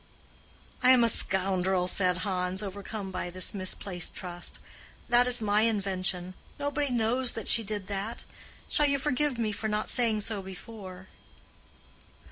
"I am a scoundrel," said Hans, overcome by this misplaced trust. "That is my invention. Nobody knows that she did that. Shall you forgive me for not saying so before?"